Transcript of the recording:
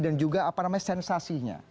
dan juga apa namanya sensasinya